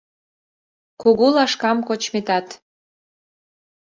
Кугу лашкам кочметат